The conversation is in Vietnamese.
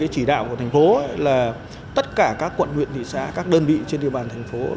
chỉ đạo của thành phố là tất cả các quận huyện thị xã các đơn vị trên địa bàn thành phố